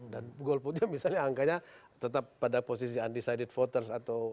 dan gol putih misalnya angkanya tetap pada posisi undecided voters atau